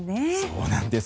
そうなんです。